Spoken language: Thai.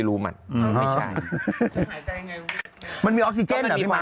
ดำเนินคดีต่อไปนั่นเองครับ